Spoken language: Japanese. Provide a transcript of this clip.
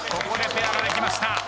ここでペアができました。